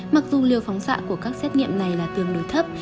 mặc dù liều phóng xạ của các xét nghiệm này là tương đối thấp